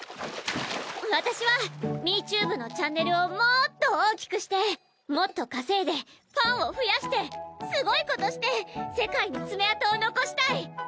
私は「ミーチューブ」のチャンネルをもっと大きくしてもっと稼いでファンを増やしてすごいことして世界に爪痕を残したい！